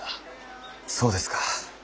そうですか。